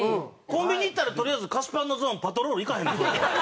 コンビニ行ったらとりあえず菓子パンのゾーンパトロール行かへんの？